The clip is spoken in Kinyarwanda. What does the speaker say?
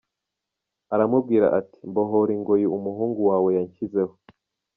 Aramubwira ati mbohora ingoyi umuhungu wawe yanshyizeho.